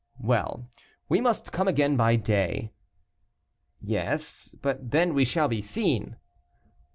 "Well, we must come again by day." "Yes; but then we shall be seen."